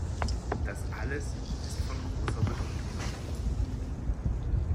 Das alles ist von großer Bedeutung.